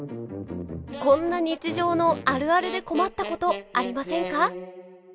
こんな日常のあるあるで困ったことありませんか？